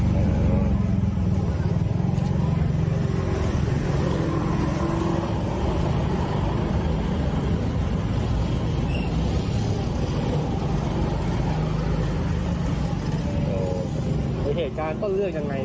อ๋อหรือเหตุการณ์ต้องเลือกยังไง